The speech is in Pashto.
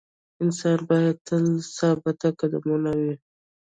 انسان باید تل ثابت قدمه وي.